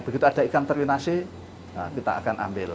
begitu ada ikan terlinasi kita akan ambil